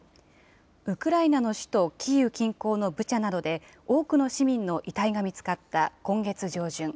ウクライナの首都キーウ近郊のブチャなどで、多くの市民の遺体が見つかった今月上旬。